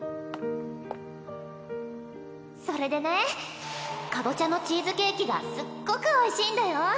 それでねカボチャのチーズケーキがすっごくおいしいんだよ